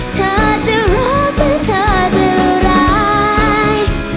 เธอจะรักหรือเธอจะร้าย